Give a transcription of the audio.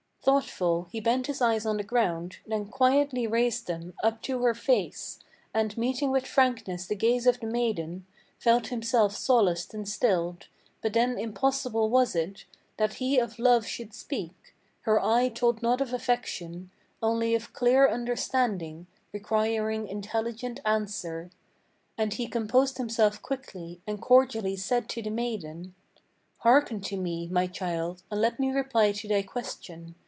Thoughtful he bent his eyes on the ground, then quietly raised them Up to her face, and, meeting with frankness the gaze of the maiden, Felt himself solaced and stilled. But then impossible was it, That he of love should speak; her eye told not of affection, Only of clear understanding, requiring intelligent answer. And he composed himself quickly, and cordially said to the maiden: "Hearken to me, my child, and let me reply to thy question.